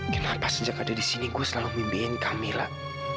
kenapa sejak ada di sini gebe selalu nge bimbin kamilah